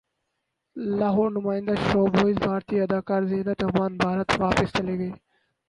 لاہورنمائندہ showbiz بھارتی اداکارہ زینت امان بھارت واپس چلی گئیں